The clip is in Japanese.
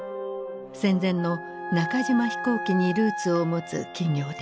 戦前の中島飛行機にルーツを持つ企業である。